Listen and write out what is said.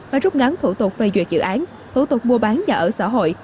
và rút ngắn thủ tục phê duyệt dự án thủ tục mua bán nhà ở xã hội